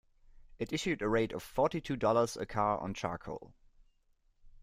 It issued a rate of forty two dollars a car on charcoal.